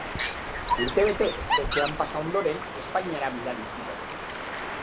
Urtebete espetxean pasa ondoren, Espainiara bidali zuten.